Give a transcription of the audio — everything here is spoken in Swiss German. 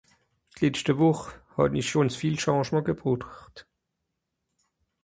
D’letschte Wùche hàn ùns viel Changement gebroocht.